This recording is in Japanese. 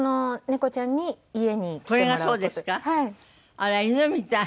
あら犬みたい。